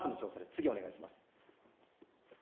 次お願いします。